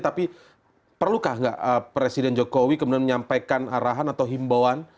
tapi perlukah nggak presiden jokowi kemudian menyampaikan arahan atau himbauan